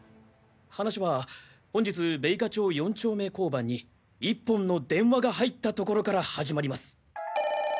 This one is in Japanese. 話は本日米花町四丁目交番に１本の電話が入ったところから始まります。